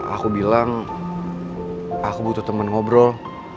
aku bilang aku butuh teman ngobrol